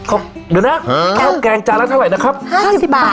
เข้าแกงจานล่ะเท่าไหร่นะครับ๕๐บาท